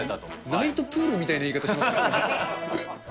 ナイトプールみたいな言い方しますね。